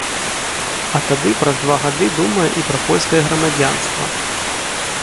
А тады праз два гады думае і пра польскае грамадзянства.